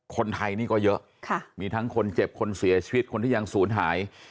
คนไทยนี่ก็เยอะมีทั้งคนเจ็บคนเสียชีวิตคนที่ยังศูนย์หาย